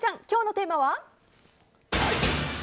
今日のテーマは？